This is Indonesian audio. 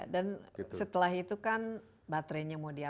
dan setelah itu kan baterainya mau diapain